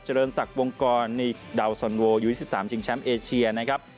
เจริญศักดิ์วงกรนี่ดาวสอนโวอยู่ที่๑๓จิงแชมป์เอเชียนะครับ